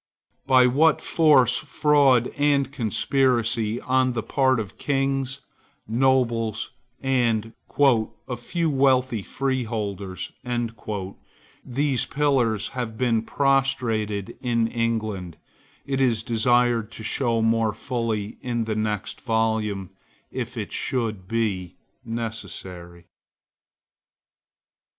By what force, fraud, and conspiracy, on the part of kings, nobles, and "a few wealthy freeholders," these pillars have been prostrated in England, it is desired to show more fully in the next volume, if it should be necessary.